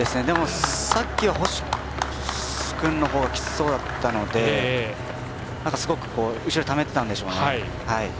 でも、さっきは星君のほうがきつそうだったのですごく後ろでためてたんでしょう。